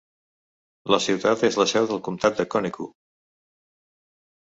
La ciutat és la seu del comtat de Conecuh.